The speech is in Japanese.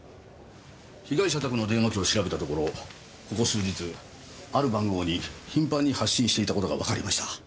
被害社宅の電話機を調べたところここ数日ある番号に頻繁に発信していた事がわかりました。